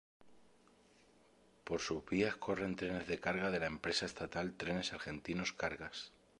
Por sus vías corren trenes de carga de la empresa estatal Trenes Argentinos Cargas.